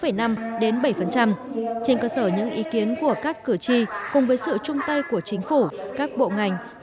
trên cơ sở những ý kiến của các cử tri cùng với sự chung tay của chính phủ các bộ ngành